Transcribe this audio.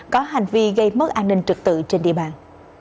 có hành vi gây mất an ninh trực tự trên địa bàn